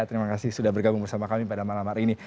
terima kasih sudah bergabung bersama kami pada malam hari ini